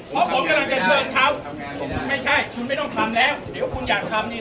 เพราะผมกำลังจะเชิญเขาไม่ใช่คุณไม่ต้องทำแล้วเดี๋ยวคุณอยากทำนี่